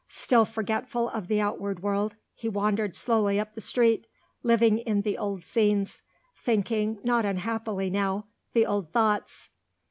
Still forgetful of the outward world, he wandered slowly up the street; living in the old scenes; thinking, not unhappily now, the old thoughts.